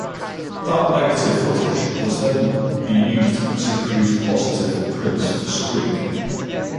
That negative footage was then be used to produce positive prints for screening.